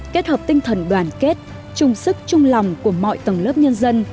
kết hợp tinh thần đoàn kết trung sức trung lòng của mọi tầng lớp nhân dân